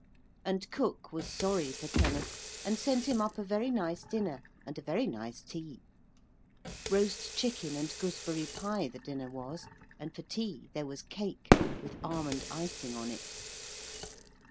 And cook was sorry for Kenneth and sent him up a very nice dinner and a very nice tea. Roast chicken and gooseberry pie the dinner was, and for tea there was cake with almond icing on it.